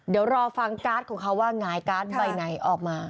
เดี๋ยวรอฟังการ์ดของเขาว่าหงายการ์ดใบไหนออกมา